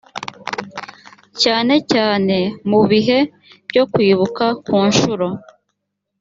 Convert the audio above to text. cyane cyane mu bihe byo kwibuka ku nshuro